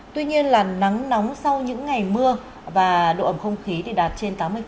tuy nhiên là nắng nóng sau những ngày mưa và độ ẩm không khí đạt trên tám mươi